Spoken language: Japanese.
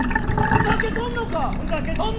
ふざけとんのか！